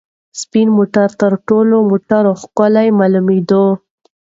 سپین موټر تر ټولو موټرو ښکلی معلومېده.